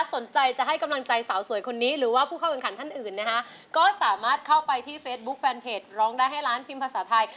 สนใจจะให้กำลังใจสาวสวยคนนี้หรือว่าผู้เข้าแข่งขันท่านอื่นนะฮะก็สามารถเข้าไปที่เฟซบุ๊คแฟนเพจร้องได้ให้ร้านพิมพ์ภาษาไทย